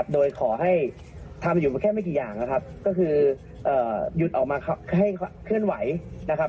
โดยขอให้ทำอยู่แค่ไม่กี่อย่างนะครับก็คือหยุดออกมาให้เคลื่อนไหวนะครับ